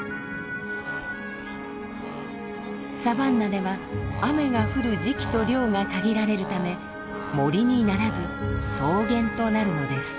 サバンナでは雨が降る時期と量が限られるため森にならず草原となるのです。